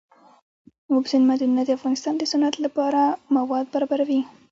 اوبزین معدنونه د افغانستان د صنعت لپاره مواد برابروي.